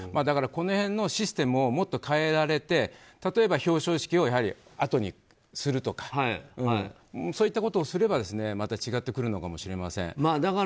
この辺のシステムをもっと変えられて例えば表彰式をあとにするとかそういったことをすればまた違ってくるのかもしれません。